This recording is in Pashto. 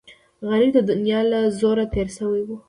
غریب د دنیا له زوره تېر شوی وي